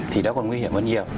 thì đó còn nguy hiểm hơn nhiều